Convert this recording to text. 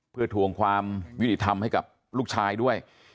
เพื่อทวงความยุติธรรมให้กับลูกชายด้วย